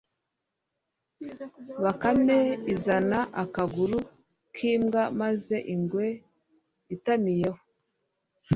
Bakame izana akaguru k'imbwa maze ingwe itamiyeho